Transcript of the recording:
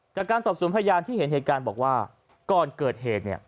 จากการสอบสวนพยานที่เห็นเหตุการณ์บอกว่าก่อนเกิดเหตุเนี่ย